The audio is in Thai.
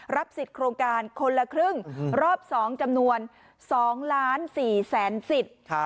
สิทธิ์โครงการคนละครึ่งรอบ๒จำนวน๒ล้าน๔แสนสิทธิ์